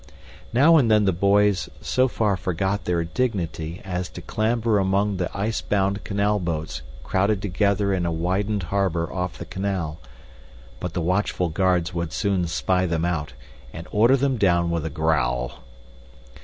Now and then the boys so far forgot their dignity as to clamber among the icebound canal boats crowded together in a widened harbor off the canal, but the watchful guards would soon spy them out and order them down with a growl.